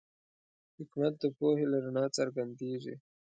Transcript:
حکمت د پوهې له رڼا څرګندېږي.